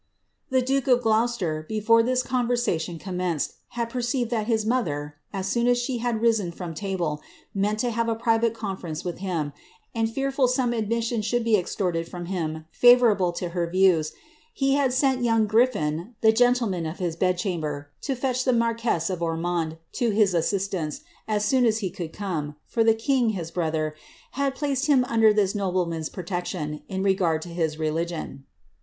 The duke of Gloucester, before this conversation commenced, htl perceived that his mother, as soon as she had risen from table, meant tt have a private conference with him, and fearful lest some admisnol should be extorted from him favourable to her views, he had sent yoM Griffin, tlie gentleman of his bed chamber, to fetch the raaraaess of Ormonde to his assistance, as soon as he could come, for the king, bii ' Original Letters, Evelyn's Works, vol. iv. pp. 142*3. RK5RIETTA MARIA* 155 brother^ had placed him under this nobleman^s protection, in regard to his religion.